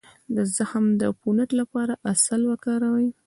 د زخم د عفونت لپاره عسل وکاروئ